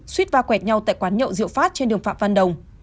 suýt va quẹt nhau tại quán nhậu rượu phát trên đường phạm văn đồng